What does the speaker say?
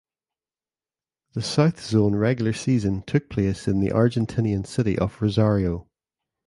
The South zone regular season took place in the Argentinian city of Rosario.